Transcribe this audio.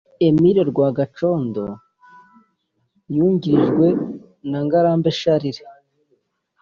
Emile Rwagacondo yungirijwe na Ngarambe Charles